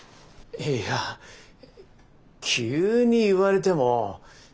いや急に言われても。